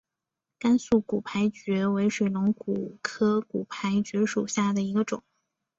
甘肃骨牌蕨为水龙骨科骨牌蕨属下的一个种。